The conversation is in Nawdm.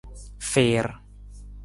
Fiir.